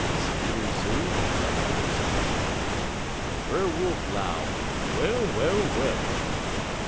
(Skeeter zoon en come closeter.) "Brer Wolf 'low 'Well well well!'